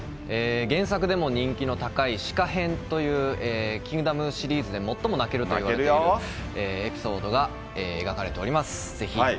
原作でも人気の高い紫夏編というキングダムシリーズで最も泣けるといわれるエピソードが描かれております。